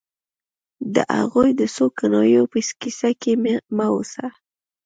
د هغوی د څو کنایو په کیسه کې مه اوسه